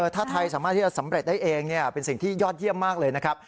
ถ้าไทยสามารถที่จะสำเร็จได้เองเป็นสิ่งที่ยอดเยี่ยมมากเลยนะครับ